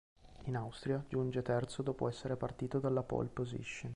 In Austria giunge terzo dopo essere partito dalla pole position.